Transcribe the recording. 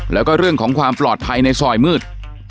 แล้วก็เรื่องของความปลอดภัยในซอยมืด